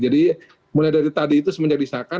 jadi mulai dari tadi itu semenjak disahkan